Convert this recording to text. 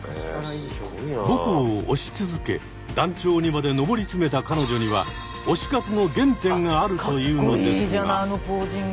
母校を推し続け団長にまで上り詰めた彼女には推し活の原点があるというのですが。